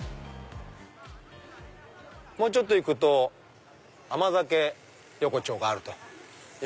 もうちょっと行くと甘酒横丁があるということで。